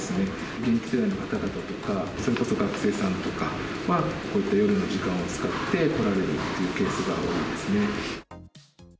現役世代の方々とか、それこそ学生さんとかは、こういった夜の時間を使って来られるというケースが多いですね。